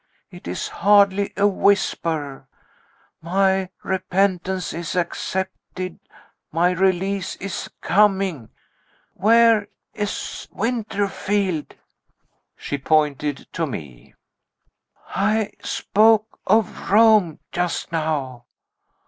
It is hardly a whisper: my repentance is accepted, my release is coming. Where is Winterfield?" She pointed to me. "I spoke of Rome just now.